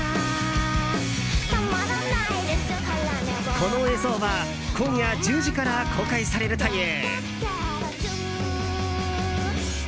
この映像は今夜１０時から公開されるという。